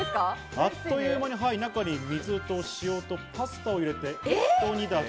あっという間に水と塩とパスタを入れて、ひと煮立ち。